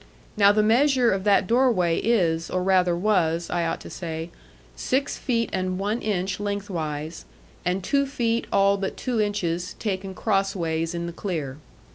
Now, the measure of that doorway is, or rather was, I ought to say, six feet and one inch lengthwise, and two feet all but two inches taken crossways in the clear.